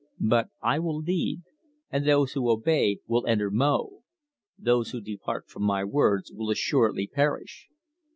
But I will lead, and those who obey will enter Mo. Those who depart from my words will assuredly perish.